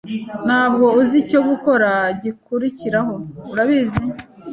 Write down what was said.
Ntabwo uzi icyo gukora gikurikiraho, urabizi?